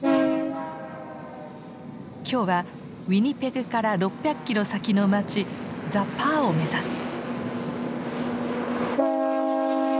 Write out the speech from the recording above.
今日はウィニペグから６００キロ先の町ザ・パーを目指す。